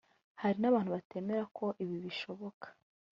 Hari n’abantu batemera ko ibi bizashoboka